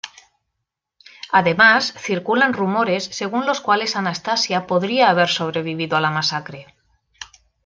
Además, circulan rumores según los cuales Anastasia podría haber sobrevivido a la masacre.